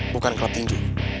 bukan klub tinju